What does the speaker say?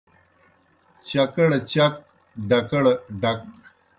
چکڑ چک، ڈکڑ ڈک